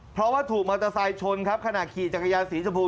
เพราะว่าถูกมอเตอร์ไซค์ชนครับขณะขี่จักรยานสีชมพู